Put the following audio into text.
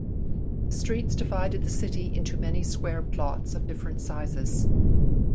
The streets divided the city into many square plots of different sizes.